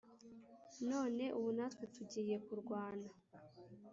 none ubu natwe tugiye kurwana